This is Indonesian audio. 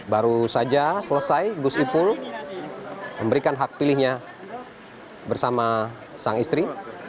baru saja selesai gus ipul memberikan hak pilihnya bersama sang istri